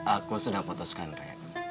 aku sudah potoskan re